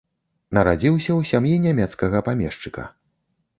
Нарадзіўся ў сям'і нямецкага памешчыка.